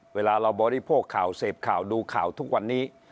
เวลาเราบริโภคข่าวเสพข่าวดูข่าวทุกวันนี้